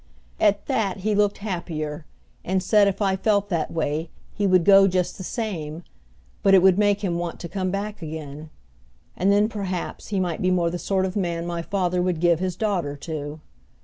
At that he looked happier and said if I felt that way he would go just the same, but it would make him want to come back again. And then, perhaps, he might be more the sort of man my father would give his daughter to.